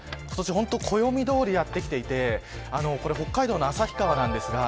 暦どおりやって来ていて北海道の旭川です。